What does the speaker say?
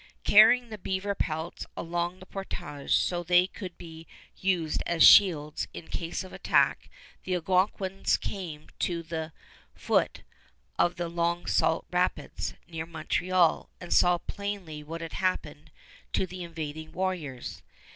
Carrying the beaver pelts along the portage so they could be used as shields in case of attack, the Algonquins came to the foot of the Long Sault Rapids near Montreal, and saw plainly what had happened to the invading warriors.